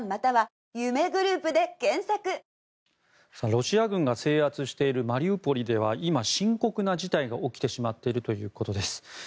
ロシア軍が制圧しているマリウポリでは今、深刻な事態が起きてしまっているということです。